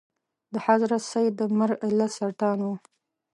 د حضرت سید د مرګ علت سرطان و.